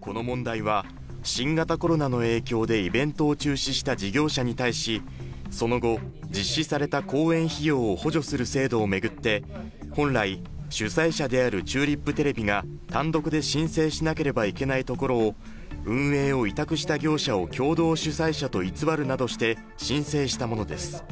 この問題は新型コロナの影響でイベントを中止した事業者に対し、その後、実施された公演費用を補助する制度を巡って本来、主催者であるチューリップテレビが単独で申請しなければならないところを運営を委託した業者を共同主催者と偽るなどして申請したものです。